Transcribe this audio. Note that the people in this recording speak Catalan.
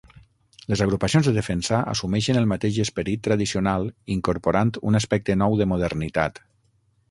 Les agrupacions de defensa assumeixen el mateix esperit tradicional incorporant un aspecte nou de modernitat.